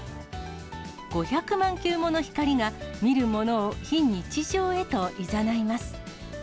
５００万球もの光が、見る者を非日常へといざないます。